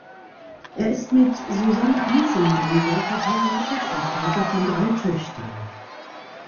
Er ist mit Susanne Anzengruber verheiratet und Vater von drei Töchtern.